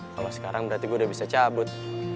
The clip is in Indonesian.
kalau sekarang berarti gue udah bisa cabut